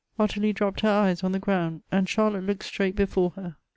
Ottilie dropped her eyes on the ground, aud Charlotte looked straight before her.